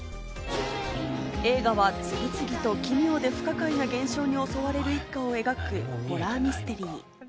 映画は次々と奇妙で不可解な現象に襲われる一家を描くホラーミステリー。